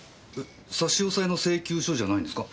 差し押さえの請求書じゃないんですか？